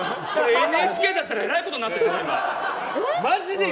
ＮＨＫだったらえらいことになってたよ。